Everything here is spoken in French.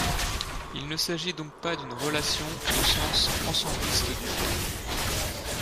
Il ne s'agit donc pas d'une relation au sens ensembliste du terme.